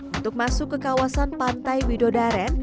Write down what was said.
untuk masuk ke kawasan pantai widodaren